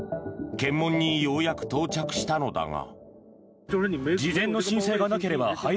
検問にようやく到着したのだが。